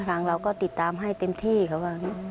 ทางเราก็ติดตามให้เต็มที่เขาบอกว่า